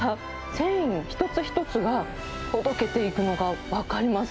繊維の一つ一つがほどけていくのが分かります。